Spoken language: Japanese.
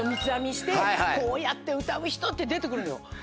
してこうやって歌う人って出て来るのよ。